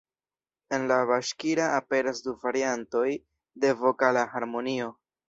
En la Baŝkira aperas du variantoj de vokala harmonio.